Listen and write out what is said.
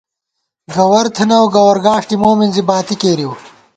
گوَر تھنَؤ ، گوَر گاݭٹے مو مِنزِی باتی کېرِؤ